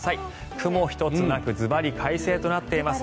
雲一つなくずばり快晴となっています。